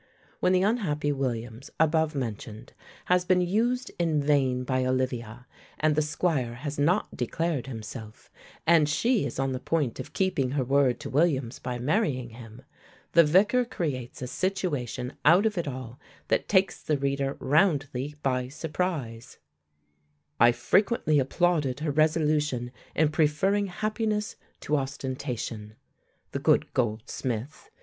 When the unhappy Williams, above mentioned, has been used in vain by Olivia, and the squire has not declared himself, and she is on the point of keeping her word to Williams by marrying him, the Vicar creates a situation out of it all that takes the reader roundly by surprise: "I frequently applauded her resolution in preferring happiness to ostentation." The good Goldsmith!